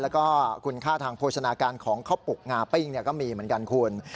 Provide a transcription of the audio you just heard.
แล้วก็คุณค่าทางโภชนาการของข้าวปุกงาปิ้งก็มีเหมือนกันคุณ